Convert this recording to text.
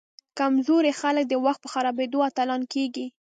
کمزوري خلک د وخت په خرابیدو اتلان کیږي.